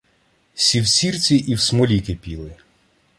Сі в сірці і в смолі кипіли